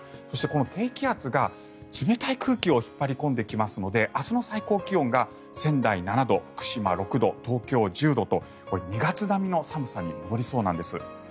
そしてこの低気圧が冷たい空気を引っ張り込んできますので明日の最高気温が仙台、７度福島、６度東京、１０度と２月並みの寒さに戻りそうなんです。